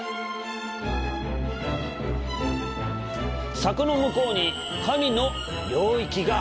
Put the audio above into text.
柵の向こうに神の領域がある。